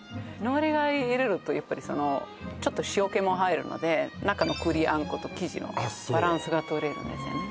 海苔を入れるとやっぱりそのちょっと塩気も入るので中の栗あんこと生地のバランスがとれるんですよね